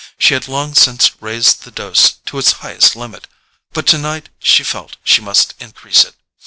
She had long since raised the dose to its highest limit, but tonight she felt she must increase it.